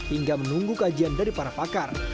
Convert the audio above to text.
hingga menunggu kajian dari para pakar